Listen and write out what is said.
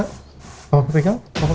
kalau pegang terasa gak